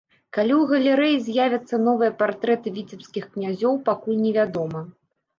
Калі у галерэі з'явяцца новыя партрэты віцебскіх князёў, пакуль невядома.